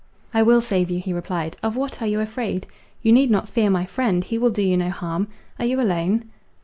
"I will save you," he replied, "of what are you afraid? you need not fear my friend, he will do you no harm. Are you alone?"